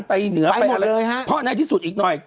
เพราะแน่ที่สุดอีกหน่อย